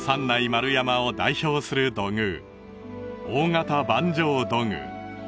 丸山を代表する土偶大型板状土偶